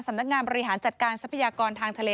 สำนักงานบริหารจัดการทรัพยากรทางทะเล